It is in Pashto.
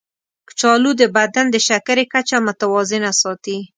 کچالو د بدن د شکرې کچه متوازنه ساتي.